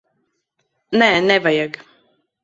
Nē, nevajag.